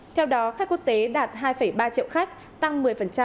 theo đó khách quốc tế đạt hai ba triệu khách tăng một mươi